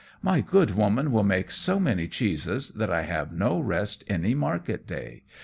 My good woman will make so many cheeses that I have no rest any market day.